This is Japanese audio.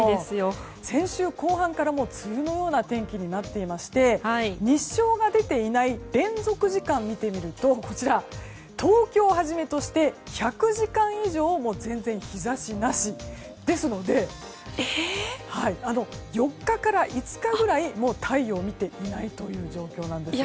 先週後半から梅雨のような天気になっていまして日照が出ていない連続時間を見てみるとこちら、東京をはじめとして１００時間以上も全然日差しなしですので４日から５日くらいもう太陽を見ていないという状況なんですよ。